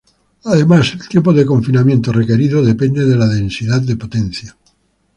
Además, el tiempo de confinamiento requerido depende de la densidad de potencia.